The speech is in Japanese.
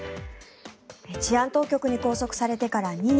治安当局に拘束されてから２年。